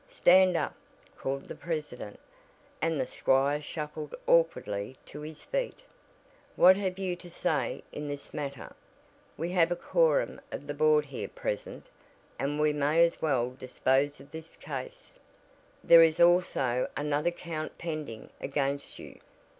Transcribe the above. "Stand up!" called the president, and the squire shuffled awkwardly to his feet. "What have you to say in this matter? We have a quorum of the board here present and we may as well dispose of this case. There is also another count pending against you.